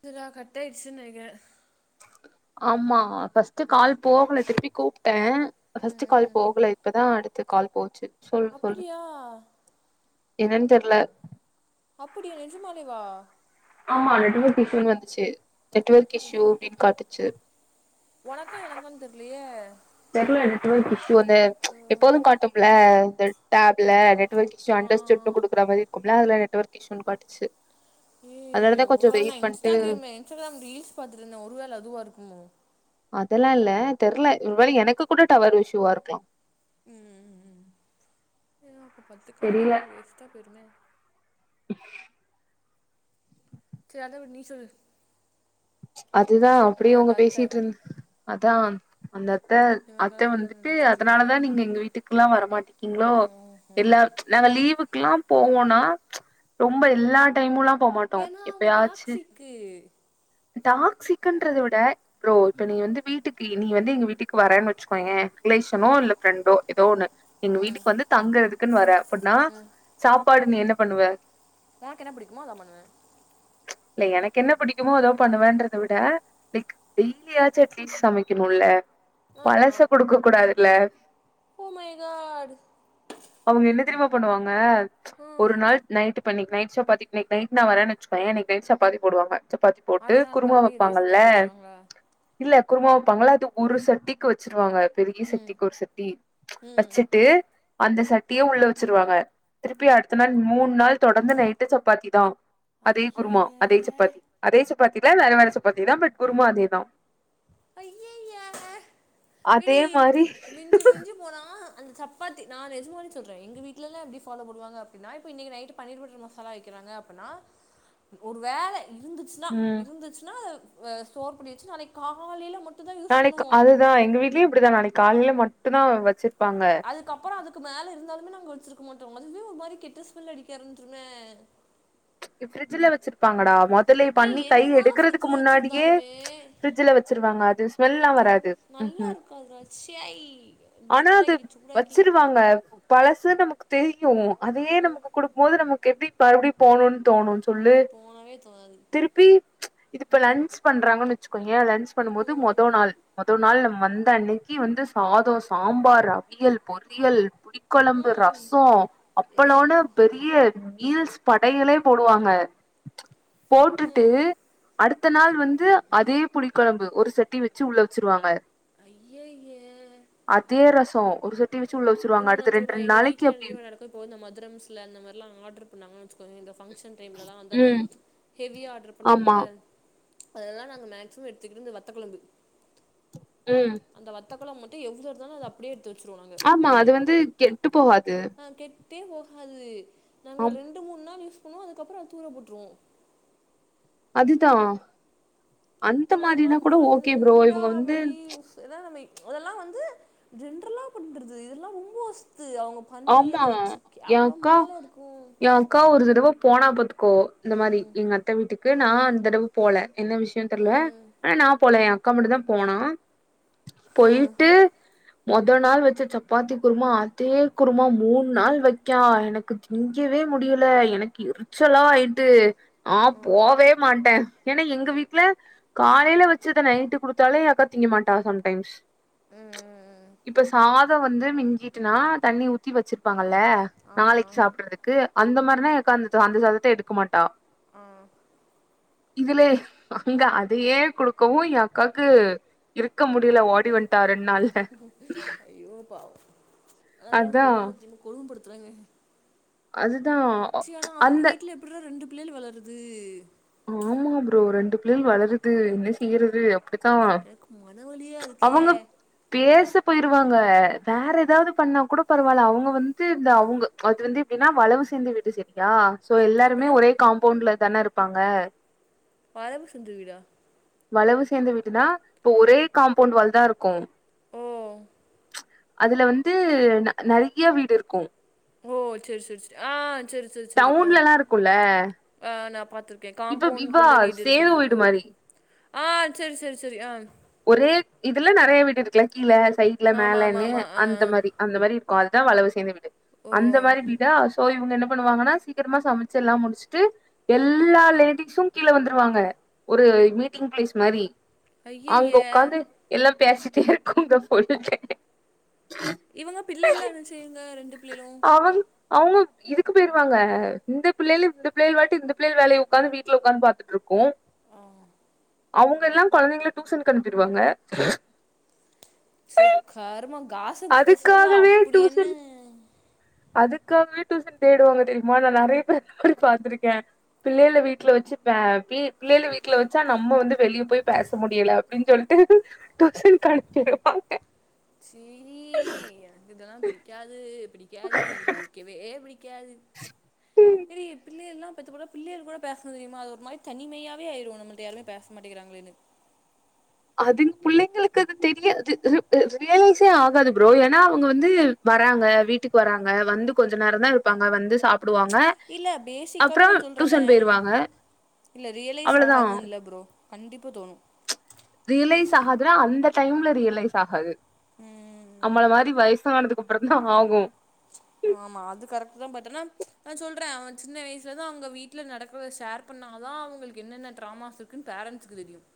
இல்லரா cut ஆயிடுச்சுனு நெனைக்கிறே ஆமா ஃபர்ஸ்ட் கால் போகல திருப்பி கூப்ட்டே ம் ஃபஸ்ட்டு ம் கால் ம் போகல இப்பதா அடுத்த கால் போச்சு சொல் சொல் அப்படியா என்னனு தெர்ல அப்டியா நெஜமாலேவா ஆமா நெட்ஒர்க் இஸ்யூனு வந்துச்சு நெட்ஒர்க் இஷ்யூ அப்டினு காட்டுச்சு உனக்கா எனக்கானு தெர்லயே தெர்ல நெட்வொர்க் இஷ்யூ அந்த எப்போது காட்டும்ல இந்த டேப்ல நெட்வர்க் இஷ்யூ ஆ அண்டர் ஸ்டுட் குடுக்குற மாரி இருக்கும்ல அதுல நெட்வொர்க் இஷ்யூனு காட்டுச்சு ஏய் அதனாலதா ஒரு கொஞ்சோ வேல நா வெயிட் பண்ட்டு இன்ஸ்டாகிரிம் இன்ஸ்டாகிராம் ரீல்ஸ் பாத்துட்ருந்தே ஒரு வேல அதுவா இருக்குமோ அதெல்லா இல்ல தெர்ல ஒருவேல எனக்கு கூட டவர் இஷ்யூவா இருக்கலா ம் ம் அப்போ பத்து கால்ல தெரில அதெல்லா வேஸ்ட்டா போய்ருமே ஹ்ஹ் சேர் அத விடு நீ சொல்லு அதுதா ஆ அப்டியவங்க அந்த அத்த பேசிட்டு இருந் அதான் அந்த அத்த அத்த இவங்கலா என்ன வந்துட்டு நெனச்சிட்ருக்காங்க அதனாலதா நீங்க எங்க வீட்டுக்குலா வரமாட்டுக்கீங்களோ ம் ம் நாங்க லீவுக்குல்லா போவோனா ரொம்ப எல்லா டைமுல்லா போமாட்டோ எப்பயாச்சு க்கு டாக்சிக்குன்றத விட ப்ரோ இப்ப நீ வந்து வீட்டுக்கு நீ வந்து எங்க வீட்டுக்கு வரன்னு வச்சுக்கோயே ரிலேஷனோ இல்ல ஃப்ரெண்டோ ஏதோ ஒண்ணு எங்க ம் வீட்டுக்கு வந்து தங்குறதுக்குன் வர அப்பிட்ன்னா ம் சாப்பாடு நீ என்ன பண்ணுவ ஒனக்கு என்ன புடிக்குமோ அதா பண்ணுவே இல்ல எனக்கு என்ன பிடிக்குமோ அதோ பண்ணுவன்றத விட லைக் டெய்லியாச்சு அட்லீஸ் சமைக்கணுல்ல பழச குடுக்க கூடாதுல்ல பு மை காட் அவுங்க என்ன தெரியுமா பண்ணுவாங்க ம் ஒரு நாள் நைட்டு பண்ணி நைட் சப்பாத்தி இன்னைக்கு நைட் நா வரேன்னு வச்சுக்கோயே இன்னைக்கி நைட் சப்பாத்தி போடுவங்க சப்பாத்தி போட் அடுத்த நாள் குருமா காலைல இதே வப்பாங்கல்ல சப்பாத்தி வச்சுருவாங்களா இல்ல குருமா வப்பாங்கல்ல அத ஒரு சட்டிக்கு வச்சுருவாங்க பெரிய ம் சட்டிக்கி ஒரு சட்டி ம் வச்சுட்டு அந்த சட்டியே உள்ள வச்சிருவாங்க திருப்பி அடுத்த நாள் மூணு நாள் தொடர்ந்து நைட்டு சப்பாத்தி தா அதே குருமா ஐயய்ய அதே சப்பாத்தி அதே சப்பாத்தி இல்ல வேற வேற சப்பாத்தி தா பட் குருமா அதேதா ஐயய அதே ஏடி மாரி மிஞ்சி மிஞ்சு போனா அந்த சப்பாத்தி நா நெஜமாலே சொல்றே எங்க வீட்லலா எப்டி பாலோ பன்னுவாங்க அப்பிடினா இப்ப இன்னைக்கி நைட் பன்னீர் பட்ர் மசாலா வக்கிறாங்க அப்பின்னா ஒரு வேல இருந்து ச்னா ம் இருந்துச்னா ஸ்டோர் பன்னி வெச்சுட்டு நாளைக் காலைல மட் நாளைக் அதுதா எங்க வீட்லயு இப்டிதா நாளைக் காலையில மட்டுந்தா வச்சிருப்பாங்க அதுக்கப்புறோ அதுக்கு மேல இருந்தாலுமே நாங்க வச்சிருக்க மாட்டோ அதுவே ஒரு மாரி கெட்ட ஸ்மெல் அடிக்க ஆரும்ட்ருமே இங்க ஃப்ரிட்ஜ்ல வச்சிருப்பாங்கடா மொத் இதுலே பண்ணி ஏய் கை என்னதா எடுக்கறதுக்கு ஃப்ரிட்ஜ்ல முன்னாடியே வச்சிருந்தாலுமே ஃப்ரிட்ஜ்ல வச்சுருவாங்க அது ஸ்மெல்லா ஏய் வராது நல்லா ம் இருக்காதுடா ச்சை ஆனா அது சூடாக்கி சூடாக்கி வச்சிருவாங்க பழசு நமக்கு தெரியூ அதே ம் நமக்கு கொடு குடுக்குபோது நமக்கு எப்டி மறுபடியூ போணுனு தோணூ சொல்லு போனவே தோணாது திருப் ப்பி இது இப்ப லன்ச் பண்றாங்கன் வச்சுக்கோயே லன் [unintelligible] பண்ணூ போது மொதோ ம் நாள் மொதோ நாள் நம்ம வந்த அன்னைக் கி வந்து சாத சாம்பார் அவியல் பொரியல் புடி கொழம்பு ம் ரசசோ ஏ அப்பளோனு அப்பா பெரிய மீல்ஸ் படயலே போடுவாங்க போட்டுட்டு ம் அடுத் த்த நாள் வந்து அதே புளி கொழம்பு ஒரு சட்டி வச்சு உள்ள வச்சுருவாங்க ஐய்யய அதே ரசோ ஒரு சட்டி வச்சு உள்ள வச்சருவாங்க ஒன்னு நான் அடுத்த ரெண்ட் சொல்லுவா ரெண்டு எங்க நாளக்கி வீட்ல என்ன அப்டி தெரியுமா நடக்கும் இப்போ இந்த மதுரம்ஸ்ல இந்த மாரிலா ஆடர் பண்ணாங்க வச்சுக்கோங்க இந்தபங்க்ஷன் டைம்லலா அந்த அந்த ம் ஹெவியா ஆடர் ஆமா பண்ணுவாங்கல்ல அதெல்லா நாங்க மேக்சிம எடுத்துக்கிட்டு இந்த வத்த கொழம்பு ம் அந்த வத்தக்களம் மட்டூ எவ்வளோ இருந்தாலூ அத அப்டியே எடுத்து வச்சருவோ நாங்க ஆமா அது தனியாக வந்து கெட்டு போகாது ஆ கேட் கெட்டே போகாது நாங்கள் ஒரு ஆம் ரெண்டு மூணு நாள் யூஸ் பண்ணுவோ அதுக்கப்புறோ தூர போட்டுறுவோம் அதுதா அந்த ஆனா அதெல்லா மாரினா கூட ஓகே ப்ரோ இவங்க வந்து அண்டாவளி அதெல்லா வந்து ஜென்ரலா பண்றது இதெல்லா ரொம்ப வசத் அவங்க பண்ணி ஆமா அத வச்சு ஏ அக்கா கேவலமால இருக்கு ஏ அக்கா ஒரு தடவை போனா பாத்துக்கோ இந்த மாதிரி ம் எங்க அத்த வீட்டுக்கு நா அந்தடவு போல என்ன விஷய தெரியல ம் ஆனா நா போல என் அக் அக்கா மட்டு தா போனா போயிட்டு மொதல் நாள் வச்ச சப்பாத்தி குருமா அதே குருமா மூணு நாள் வைக்கா எனக்கு திங்கவே முடியல எனக்கு இர ஏரசல ஆயிட்டு ஆ போவே மாட்டே ஏன்னா எங்க வீட்டுல காலையில வச்ச அதை நைட்டு குடுத்தாலே எங்க அக்கா தீங்க மாட்டா சம்டைம்ஸ் ம் ம் இப்ப சாதம் வந்து மிஞ்சிட்டுனா தண்ணி ஊத்தி வச்சிருப்பாங்கல்ல ஆமா நாளைக்கு சாப்படுறதுக்கு அந்த மாதிரனா எங்க அக்கா அந்த சாதத்தை எடுக்க மாட்டா ஆ [inaudible] இதுல அங்க அதையே கொடுக்கவு என் அக்காக்கு இருக்க முடியல ஓடி வன் தார ரெண்டு நாள்ல ஐயோ பாவம் அதெல்லா அதா கொடும்ப [unintelligible] கொடுபடுத்துராங்க அதுதா சி ஆனா அவங்க அந்த வீட்டுல எப்டி தா ரெண்டு புள்ளைக வளருது ஆமா ப்ரோ ரெண்டு புள்ளைக வளருது என்ன செய்யறது அப்டித்தா எனக்கு மன வழலியா இருக்கே அவங்க பேச போயிருவாங்க வேற ஏதாவது பண்ணா கூட பரவாயில்ல அவங்க வந்து இந்த அவங்க அது வந்து எப்படின்னா வளவு சேர்ந்த வீடு சரியா சோ எல்லாருமே அப்பன்னா ஒரே காம்பவுண்ட்ல தானே இருப்பாங்க வளவு சந்து வீடா வளவு சேர்ந்து வீட்டுனா இப்ப ஒரே காம்பவுண்ட் வாழ் தா இருக்கும் ஓ அதுல வந்து நெறய வீடு இருக்கு ஓ சேரி சேரி சேரி ஆ சேரி சேரி சேரி ஆ டவுன்லல்லா இருக்குல்ல ஆ நான் பாத்துருக்கே இப்ப இவா காம்பவுண்ட்குள்ள வீடு சேது இருக்குறது வீடு மாரி ஆ சேர் சேர் சேரி ஆ ஒரே இதுல நிறைய வீடு இருக்குல கீழே சைட்ல ஆமாம் ஆமாம் மேலேன்னு ஆமாம் ஆ அந்த ஆ. மேரி அந்த மாரி இருக்கும் அதுதான் வளவு சேமிய வீடு ஓ அந்த மாரி தா சோ இவங்க என்ன பண்ணுவாங்கன்னா சீக்கிரமா சமைச்சில்லாம் முடிச்சுட்டு எல்லா லேடிக்ஸ் கீல வந்துருவாங்க ஒரு மீட்டிங் பிளேஸ் மாரி அங்க ஐயையே உக்காந்து எல்லாம் பேசிட்டே இருக்கும் போது போய்ட்டன் இவங்க பிள்ளை எல்லாம் என்ன செய்வுங்க ரெண்டு பிள்ளைகளும் அவங் அவுங் இதுக்கு போய்ருவாங்க இந்த பிள்ளை இந்த பிள்ளை வாட் இந்த பிள்ளைகள் வேலையை உட்காந்து வீட்ல உக்காந்து பாத்துட்டு இருக்கும் ஆ அவுங்க எல்லாம் குழந்தைங்கல டியூசன் அனுப்பிருவாங்க சுக்கருமா காஸிப் பேசுறதுல அதுக்காகவே அப்டி என்ன டியூசன் அதுக்காகவே டியூசன் தேடுவாங்க தெரியுமா நான் நிறைய பேர் அப்டி பா்த்திருக்கேன் பிள்ளைல வீட்ல வச்சுப்ப பி பிள்ளைல வீட்ல வச்சா நம்ம வந்து வெளியே போய் பேச முடியல அப்டின்னு சொல்லிட்டு டூசன்க்கு அனுப்பிறாங்க சி எனக்கு இதெல்லாம் பிடிக்காது பிடிக்காது பிடிக்கவே பிடி காது தெரிய பிள்ளை எல்லாம் பெத்து போட்ட பிள்ளைய கூட பேசல தெரியுமா அது ஒரு மாரி தனிமையாவே ஆய்டும் நம்மல்ட்ட யாருமே பேச மாடிங்கிறாங்களேனு அதுங்க பிள்ளைங்களுக்கு அது தெரியாது ரியலைஸே ஆகாது ப்ரோ ஏன்னா அவுங்க வந்து வராங்க வீட்டுக்கு வராங்க வந்து கொஞ்ச நேரம் தான் இருப்பாங்க வந்து சாப்புடுவாங்க இல்ல பேசிக்காவே நான் சொல்றேனே இல்ல ரியலைஸ் அவ்ளோதா ஆகாதுன்னு இல்ல ப்ரோ கண்டிப்பா தோணும் ரியலைஸ் ஆகாதுன்னா அந்த டைம்ல ரியலைஸ் ஆகாது ம் நம்மள மாரி வயசானதுக் அப்பறம் தான் ஆகும் ஆமா அது கரெக்ட் தான் பட் ஆனா நான் சொல்றே அவன் சின்ன வயசுல இருந்தே அவுங்க வீட்ல நடக்கற ஷேர் பண்ணாதான் அவங்களுக்கு என்னென்ன டிராமாஸ் இருக்குன்னு பேரண்ட்ஸ்கு தெரியும்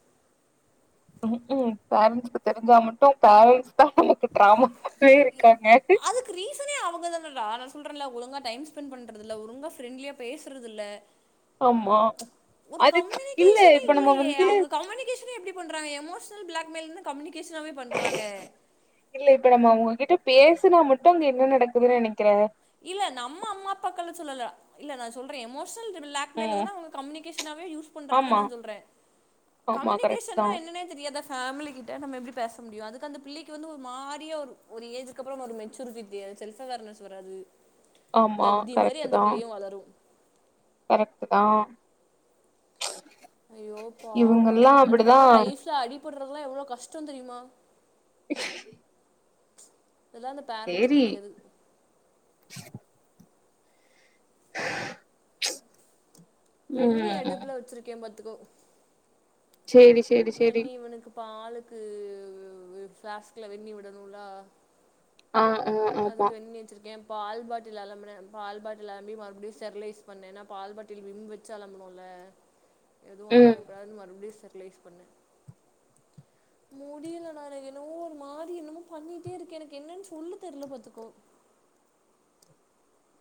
ம்க்கும் பேரண்ட்ஸ்க்கு தெரிஞ்சா மட்டும் பேரண்ட்ஸ் தான் அவனுக்கு டிராமாவே இருக்காங்க அதுக்கு ரீசனே அவங்கதானடா நான் சொல்றேன்ல ஒழுங்கா டைம் ஸ்பெண்ட் பண்றது இல்ல ஒழுங்கா ஃப்ரண்ட்லியா பேசுறதில்ல ஆமா ஒரு அது இல்ல கம்யூனிகேஷனே இப்ப நம்ம இல்லயே வந்து அவங்க கம்யூனிகேஷன எப்டி பண்றாங்க எமோஷனல் பிளாக்மெயில்னு கம்யூனிகேஷனாவே பண்றாங்க இல்ல இப்ப நாம அவுங்ககிட்ட பேசுனா மட்டும் அங்க என்ன நடக்குதுன்னு நெனைக்கிற இல்ல நம்ம அம்மா அப்பாக்கள சொல்லல இல்ல நான் சொல்றே எமோஷனல் பிளாக் மெயில ம் தான அவுங்க கம்யூனிகேஷனாவே யூஸ் பண்றாங்கனு ஆமா நா சொல்றேன் ஆமா கரெக்ட் தா கம்யூனிகேஷன்னா என்னனே தெரியாத ஃபேமிலி கிட்ட நம்ம எப்டி பேச முடியும் அதுக்கு அந்த பிள்ளைக்கு வந்து ஒரு மாறியா ஒரு ஏஜ் அதுக்கப்பறம் ஒரு மெச்சூரிட்டி பே செல்ப்‌ அவார்னஸ்‌ வராது ஆமா தத்தி மாரி அந்த பிள்ளையும் வளரும் கரெக்ட்டு தான்‌ ஐயோ பாவோ அதுக்கப்பறம் லைஃப்ல அடிபட்றதெல்லாம் எவ்ளோ கஷ்டம் தெரியுமா ம் இதெல்லாம் இந்த பேரண்ட்ஸ்க்கு சேரி தெரியாது [inaudible] ப்ச் வெண்ணி அடுப்புல வச்சுருக்கேன் பாத்துக்கோ சேரி சேரி சேரி வெந்நீ இவனுக்கு‌ பாலுக்கு பிளாஸ்க்ல வெந்நீ‌ விடணும்லா அ‌ ‌ம் அதுக்கு வெந்நீ வச்சிருக்கே பால் பாட்டில் அலம்பினேன் பால் பாட்டில் அலம்பி மறுபடியும் ஸ்டெர்லைஸ் பண்ணின ஏன்னா பால் பாட்டில் விம் வச்சு அலம்பணும்ல [inaudible] எதுவு ஆயிறக்கூடாதுனு மறுபடியு ஸ்டெர்லைஸ் பண்ணே முடியலடா எனக்கு என்னவோ ஒரு மாதிரி என்னமோ பண்ணிட்டே இருக்கு எனக்கு என்னன்னு சொல்ல தெர்ல பாத்துக்கோ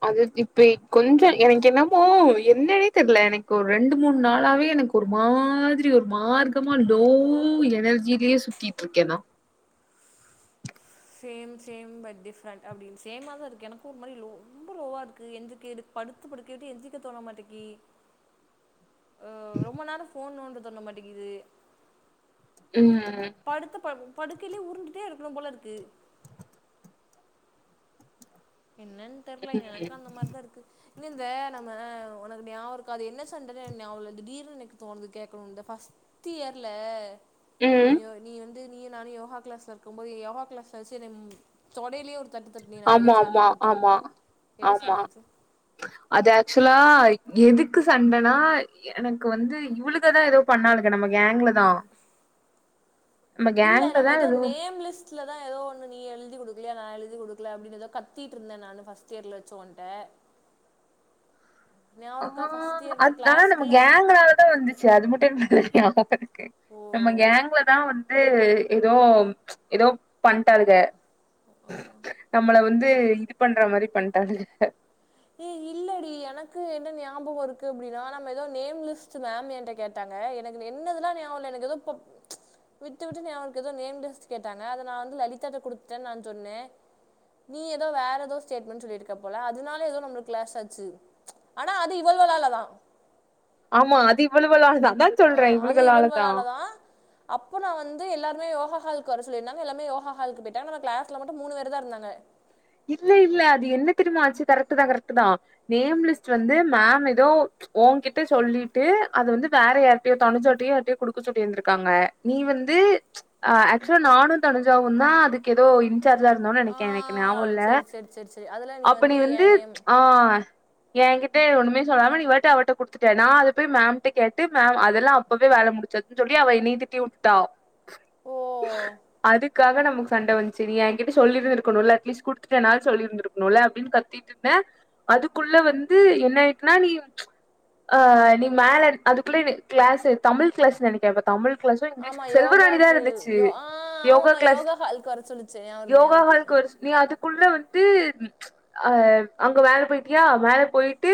அது இப்ப கொஞ்ச எனக்கு என்னமோ என்னனே தெர்ல எனக்கு ஒரு ரெண்டு மூணு நாளாவே எனக்கு ஒரு மாதிரி ஒரு மார்க்கமா லோ எனர்ஜிலயே சுத்திட்டு இருக்கே நா சேம் சேம் பட் டிஃப்ரண்ட் அப்படின்னு சேமா தா இருக்கு எனக்கு ஒரு மாதிரி ரொம்ப லோவா இருக்கு எந்திரு கேடு படுத்து படிக்கவிட்டு எந்திரிக்க தோண மாட்டக்கி ம் ரொம்ப நேரம் ஃபோன் நோன்ட தோண மாட்டேங்கிது ம்‌ படுத்த ப படுக்கையிலே உருண்டுட்டே இருக்கணும் போல இருக்கு என்னனு தெர்ல ம் எனக்கும் அந்த மாதிரி தா இருக்கு இன்ன இந்த நம்ம உனக்கு ஞாபக இருக்காது என்ன‌‌ சண்டனு‌ எனக்கு ஞாபகமில்ல திடீர்னு எனக்கு தோணுது கேக்கணுனு ஃபஸ்ட் பிஃப்து இயர்ல ம் நீ வந்து நீயும் நானு யோகா கிளாஸ்ல இருக்கும் போது யோகா கிளாஸ்ல வச்சு என்னை தொடையிலே ஒரு தட்டு தட்டுன நீ நம்ம ஆமா ஆமா ஏதாச் ஆமா ஆமா அது ஆக்சுவலா எதுக்கு சண்டனா எனக்கு வந்து இவளுகதா எதோ பண்ணாளுங்க நம்ம கேங்லதா இல்ல நம்ம எதோ நேம் லிஸ்ட் ல தா எதோ ஒன்னு நீ எழுதி குடுக்கலையா நா எழுதி குடுக்கல அப்டினு ஏதோ கத்திட்டு இருந்தேன் நான் ஃபஸ்ட் இயர்ல வச்சு ஒன்ட [inaudible] ஞாபகோ ஆ இருக்கா ஃபஸ்ட் இயர்ல அது ஆனா நம்ம கிளாஸ்க்குள்ள கேங்கால தா வந்துச்சு அது மட்டும் எனக்கு தெரியும் [unintelligible] நம்ம ஓ கேங்ல தா வந் து எதோ எதோ பண்டாளுக நம்மள வந்து இது பண்ற மாரி பண்டாளுக ஏ இல்லடி எனக்கு என்ன ஞாபகோ இருக்கு அப்படின்னா நம்ம எதோ நேம்லிஸ்ட்டு மேம் என்ட கேட் டாங்க எனக்கு என்னதுல்லா ஞாபக எனக்கு எதோ பப் விட்டு விட்டு ஞாபகருக்கு எதோ நேம்லிஸ்ட் கேட்டாங்க அத நா வந்து லலிதாட்ட குடுத்தேன் நா சொன்னே நீ ஏதோ வேற ஏதோ ஸ்டேட்மெண்ட் சொல்லிருக்க போல அதுனால எதோ நம்ம கிளாஸ்ல வச்சு ஆனா அது இவகள்லால தா ஆமா அது இவ்ளவள்லால தா ஆ அது இவள்வள்லால தா அப்போ நான் வந்து எல்லாருமே யோகா ஹால்க்கு வர சொல்லிருந்தாங்க எல்லாருமே யோகா ஹாலுக்கு போயிட்டாங்க நம்ம கிளாஸ்ல மட்டும் மூணு பேரு தா இருந்தாங்க இல்ல இல்ல அது என்ன தெரிம்மா ஆச்சு கரெக்ட்டு தா கரெக்ட்டு தா நேம் லிஸ்ட் வந்து மேம் எதோ ஓங்கிட்ட சொல்லிட்டு அது வந்து வேற யார்ட்டயோ தனுச்சாட்டயோ யார்டயோ குடுக்கச் சொல்லி இருந்துருக்காங்க நீ வந்து ஆக்சுலா நானு தனுஜாவு தா அதுக்கு எதோ இன்சார்ஜா இருந்தோம்னு ஆ நனக்கே நனைக்கிறே ஞாவ இல்ல சரி சரி சரி சரி அதில் அப்ப நீ வந்து என் நேம் ஆ என்கிட்ட ஒண்ணுமே சொல்லாம நீ வாட்ட அவட்ட குடுத்துட்ட நா அது போய் மேம்ட்ட கேட்டு மேம் அதெல்லாம் அப்பவே வேல முடிச்சா சொல்லி அவ என்னய திட்டிவுட்டுட்டா ஓ அதுக்காக நமக்கு சண்ட வந்துச்சு நீ என்கிட்ட சொல்லிருந்துருக்கணும்ல லிஸ்ட் குடுத்துட்டேனாது சொல்லிருந்துருக்கணுல அப்டின்னு கத்திட்ருந்தே அதுக்குள்ள வந்து என்ன ஆயிட்டுன்னா நீ ம்ச் ஆ நீ மேல இரு அதுக்குள்ள இது கிளாஸ் தமிழ் கிளாஸ் நெனைக்கே ப ஆமா யோகாக்கு யோ ஆ ஆ ஆமா ஆமா யோகா ஹால்க்கு வர சொல்லு செய்யா அவளுக்கு நியாபக இருக்கு அ. கொர்ஸ் நீ அதுக்குள்ள வந்து ம் ம்ச் அ அங்க மேல போயிட்டியா மேல போயிட்டு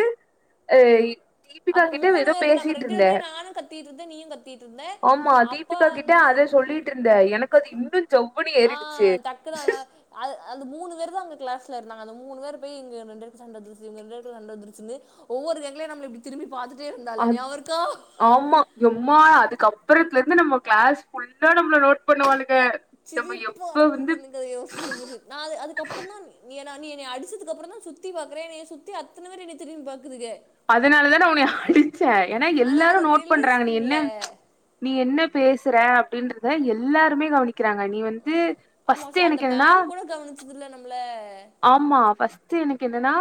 அய் தீபிகா அப்போ கிட்ட மூணு ஏதோ பேருக்கு நம்ம பேசிட்டு ரெண்டு இருந்தே பேருமே நானும் கத்திட்டு இருந்தேன் நீயும் கத்திட்டு இருந்த ஆமா அப்பா தீபிகா கிட்ட வந்து அத சொல்லி ட்டுருந்த எனக்கு அது இன்னு ஜவ்வுன்னு ஆ ஏறிடுச்சு டக்குன்னு அதல்லா அது அந்த மூணு பேரு தா அந்த கிளாஸ்ல இருந்தாங்க அந்த மூணு பேரு போய் இங்க ரெண்டுவத்துக்கு சண்ட வந்துருச்சு இவங்க ரெண்டுபேருக்கு சண்ட வந்துருச்சின்னு ஒவ்வொரு கேங்களயு நம்மள இப்டி திரும்பி பாத்துட்டே இருந்தாளே அது ஞாவ இருக்கா ஆமா எம்மா அதுக்கு அப்புறத்துல இருந்து நம்ம கிளாஸ் ஃபுல்லா நம்மள நோட் பண்ணுவாள்க சிரிப்பா வந்தது இல்லைங்க அத யோசிக்குபோது நா அது அதுக்கப்புறந்தான் நீ என்ன நீ என்னைய அடிச்சதுக்கப்புறோ தா சுத்தி பாக்குறேன் என்ய சுத்தி அத்தன பேரு என்னைய திரும்பி பாக்குதுக அதனாலதா நா உன்னய அடிச்சே ஏன்னா ஆனா அதை எல்லாரும் நோட் ரிலீஸ் பண்றாங்க நீ என்ன ம்ச் பண்ணல நீ என்ன பேசுற அப்டின்றத எல்லாருமே கவனிக் கிறாங்க நீ வந்து ஃபர்ஸ்ட் எனக்கு என்னன்னா இதுல நம்மள ஆமா ஃபர்ஸ்ட் எனக்கு என்னன்னா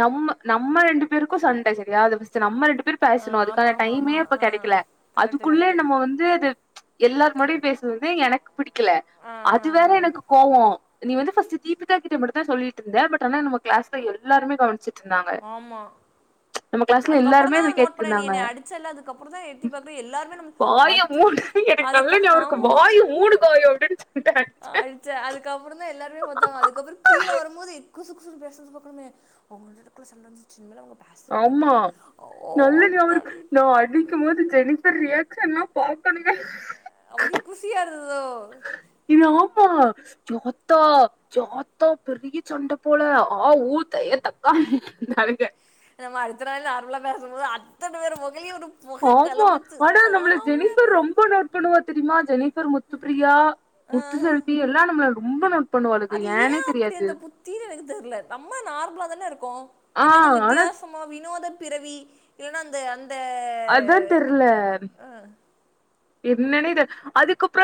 நம்ம நம்ம ரெண்டு பேருக்கு சண்ட சரியா அத ஃப்ஸ்டு நம்ம ரெண்டு பேரு ஆ பேசணு ஆமா அதுக்கான ஆமா டைமே ஆமா அப்ப ஆ கடைக்கல கரெக்ட்டு அதுக்குள்ள கரெக்ட்டு நம்ம வந்து அது ப்ச் எல்லார் முன்னாடி பேசுனது வந்து எனக்கு புடிக்கல ஆ ஆ அது வேற எனக்கு கோவோ நீ வந்து ஃப்ஸ்ட் தீபிகா கிட்ட மட்டு ட்ட சொல்லிட்டு இருந்த பட் ஆனா நம்ம கிளாஸ்ல எல்லாருமே கவனச்சி ஆமா கிளாஸ்ல அதுக்கப்புறோ தா எல்லாருமே நா அத நோட் கேட்டு பண்ணே நீ இருந்தாங்க என்ன அடிச்சல்ல அதுக்கப்புறோ தா எட்டி பாக்குறே எல்லாருமே நம்ம வாய ஆத்தாடி மூடு எனக்கு நல்ல அதுக்க ஞாபகோ இருக்கு ஆமா வாய மூடு காயோ அப்டின்னு சொல்லிட்டு ஆ அடிச்சே ஆயச்ச அதுக்கப்புற தா எல்லாருமே பத்தாங்க அதுக்கப்புறோ கீழ வரும்போது குசுகுசுன்னு பேசுறத பாக்கணுமே அவங்க ரெண்டு பேத்துக்குள்ள சண்ட வந்துருச்சு இனிமேல் அவங்க பேசவே ஆ மாட்டா நல்ல நீ அவருக்கு நா அடி க்குமபோது ஜெனிபர் ரியாகஷன் எல்ல பாக்கணுமே அப்டியே குசியா இருந்ததோ இது ஆமா பிரோத்தா ஏ ஆத்தா பெரியசண்ட போல ஆ ஊ தய தக்காங்க என்டாலுக நம்ம அடுத்த நாள் நார்மலா பேசும்போது அத்தன பேர் மொகரையு ஒரு புகை ஆமா கிளம்பிச்சு ஆனா நம்மள சாமையா ஜெனிஃபர் இருந்தது ரொம்ப நோட் பண்ணுவா தெரியுமா ஜெனிஃபர் முத்து பிரியா ஆ. முத்துசெல்வி எல்லா நம்மள ரொம்ப நோட் பண்ணுவாளுளுக்கு அது ஏனே ஏன் அப்படி தெரியாது அந்த புத்தின்னு எனக்கு தெரியல நம்ம நார்மலா தானே இருக்கோ ஆ நம்ம எதவு ஆனா வித்தியாசமா வினோத பிறவி இல்ன்னா அந்த அந் அதுதா தெரியல ஆ. என்னன்ன தெ அதுக்கப்புறோ